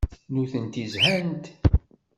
Nutenti zhant.